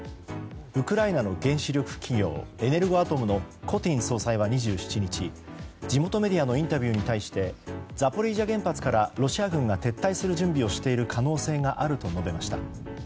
ウクライナの原子力企業エネルゴアトムのコティン総裁は２７日地元メディアのインタビューに対してザポリージャ原発からロシア軍が撤退する準備をしている可能性があると述べました。